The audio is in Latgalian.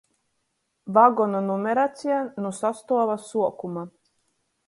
Vagonu numeraceja — nu sastuova suokuma.